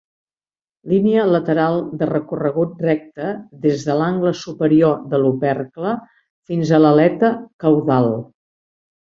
Línia lateral de recorregut recte des de l'angle superior de l'opercle fins a l'aleta caudal.